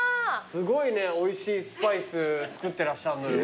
すごいねおいしいスパイス作ってらっしゃるのよ。